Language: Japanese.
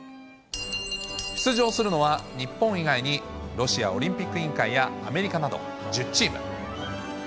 出場するのは日本以外にロシアオリンピック委員会やアメリカなど１０チーム。